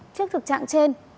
trước thực trạng trên